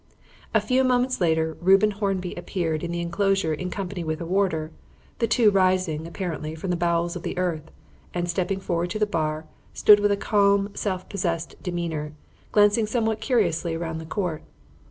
A few moments later Reuben Hornby appeared in the enclosure in company with a warder, the two rising, apparently, from the bowels of the earth, and, stepping forward to the bar, stood with a calm and self possessed demeanour, glancing somewhat curiously around the court.